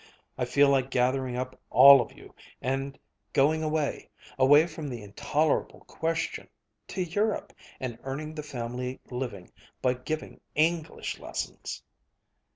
I feel like gathering up all of you, and going away away from the intolerable question to Europe and earning the family living by giving English lessons!"